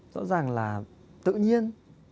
rõ ràng là tự nhiên